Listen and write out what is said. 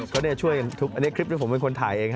ก็ช่วยทุบอันนี้คลิปที่ผมเป็นคนถ่ายเองครับ